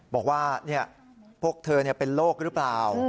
บอกว่าพวกเธอเป็นโรคหรือเปล่า